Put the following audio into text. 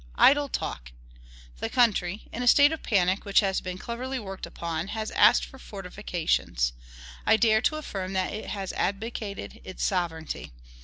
Idle talk! The country, in a state of panic which has been cleverly worked upon, has asked for fortifications. I dare to affirm that it has abdicated its sovereignty.